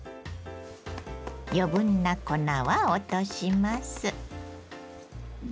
余分な粉は落とします。